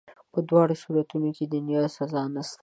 په دواړو صورتونو کي دنیاوي سزا نسته.